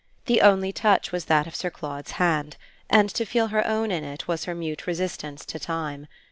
The only touch was that of Sir Claude's hand, and to feel her own in it was her mute resistance to time.